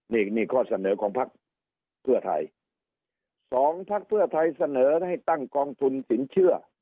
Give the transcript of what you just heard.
นี่นี่ข้อเสนอของพักเพื่อไทยสองพักเพื่อไทยเสนอให้ตั้งกองทุนสินเชื่อ